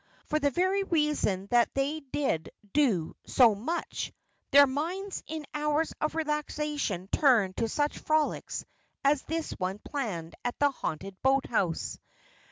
For the very reason that they did do so much, their minds in hours of relaxation turned to such frolics as this one planned at the haunted boathouse.